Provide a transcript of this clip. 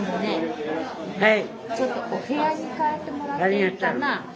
ちょっとお部屋に帰ってもらっていいかな。